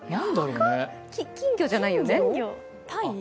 金魚じゃないよね？